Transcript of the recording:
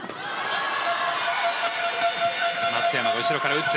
松山が後ろから打つ。